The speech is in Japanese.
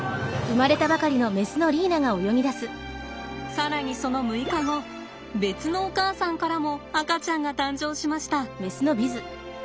更にその６日後別のお母さんからも赤ちゃんが誕生しました。